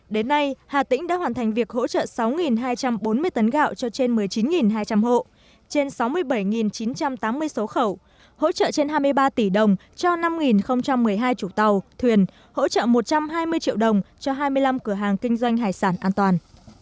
đến nay hà tĩnh đã hoàn thành việc hỗ trợ sáu hai trăm bốn mươi tấn gạo cho trên một mươi chín hai trăm linh hộ trên sáu mươi bảy chín trăm tám mươi số khẩu hỗ trợ trên hai mươi ba tỷ đồng cho năm một mươi hai chủ tàu thuyền hỗ trợ một trăm hai mươi triệu đồng cho hai mươi năm cửa hàng kinh doanh hải sản an toàn